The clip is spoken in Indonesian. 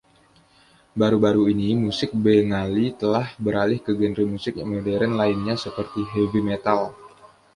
Baru-baru ini, musik Bengali telah beralih ke genre musik modern lainnya seperti heavy metal.